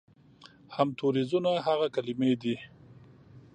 همتوریزونه هغه کلمې دي